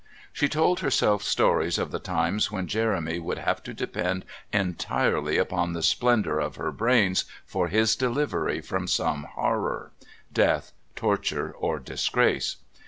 She told herself stories of the times when Jeremy would have to depend entirely upon the splendour of her brains for his delivery from some horror death, torture or disgrace.